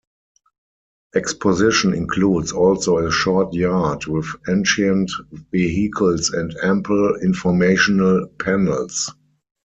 Exposition includes also a short yard with ancient vehicles and ample informational panels.